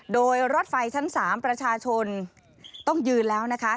โดยรถไฟชั้น๓ประชาชนต้องยืนแล้วนะคะ